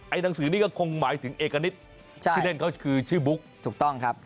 หนังสือนี้ก็คงหมายถึงเอกณิตชื่อเล่นเขาคือชื่อบุ๊กถูกต้องครับ